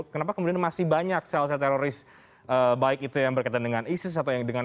kenapa kemudian masih banyak sel sel teroris baik itu yang berkaitan dengan isis atau yang dengan